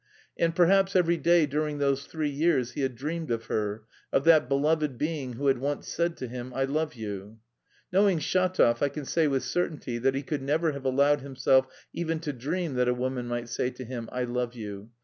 And perhaps every day during those three years he had dreamed of her, of that beloved being who had once said to him, "I love you." Knowing Shatov I can say with certainty that he could never have allowed himself even to dream that a woman might say to him, "I love you."